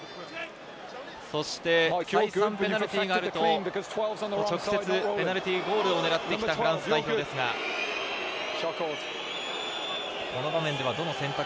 そして再三、ペナルティーがあると直接ペナルティーゴールを狙ってきたフランス代表ですが、この場面ではどの選択？